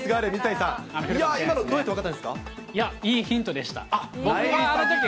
いや、いいヒントでした。